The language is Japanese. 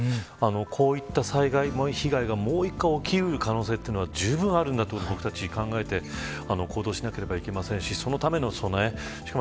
こうした災害や被害がもう一度起こる可能性はじゅうぶんあるんだと考えて行動しなければいけませんしそのための備え。